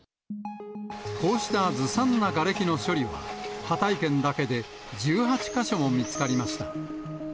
こうしたずさんながれきの処理は、ハタイ県だけで１８か所も見つかりました。